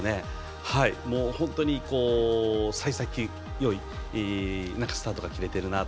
本当に幸先よいスタートが切れているなと。